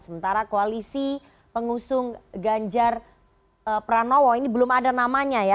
sementara koalisi pengusung ganjar pranowo ini belum ada namanya ya